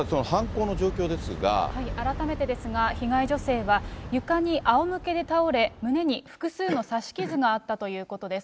改めてですが、被害女性は床にあおむけで倒れ、胸に複数の刺し傷があったということです。